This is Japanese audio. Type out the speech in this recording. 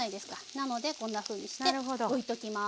なのでこんなふうにして置いときます。